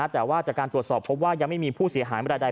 แต่ว่าจากการตรวจสอบพบว่ายังไม่มีผู้เสียหายเวลาใด